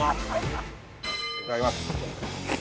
いただきます。